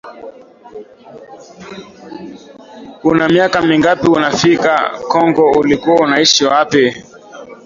una miaka mingapi unafika congo ulikuwa unaishi wapi